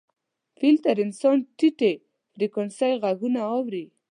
فیل تر انسان ټیټې فریکونسۍ غږونه اوري.